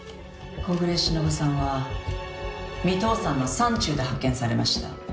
「小暮しのぶさんは三頭山の山中で発見されました」